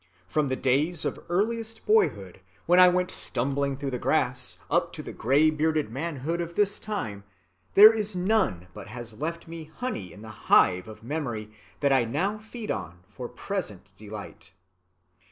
From the days of earliest boyhood, when I went stumbling through the grass,... up to the gray‐bearded manhood of this time, there is none but has left me honey in the hive of memory that I now feed on for present delight.